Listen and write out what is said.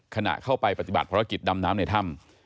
ขณะเข้าไปปฏิบัติภารกิจดำน้ำในถ้ำ